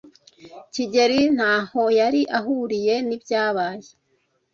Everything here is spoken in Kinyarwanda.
kigeli ntaho yari ahuriye nibyabaye.